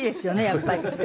やっぱり。